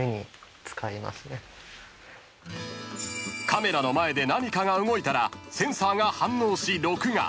［カメラの前で何かが動いたらセンサーが反応し録画］